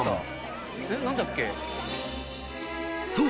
［そう！